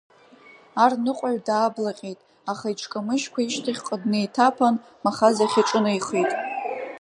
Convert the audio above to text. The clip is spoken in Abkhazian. Арныҟәаҩ дааблаҟьеит, аха иҽкамыжькәа ишьҭахьҟа днеиҭаԥан, Махаз иахь иҿынеихеит.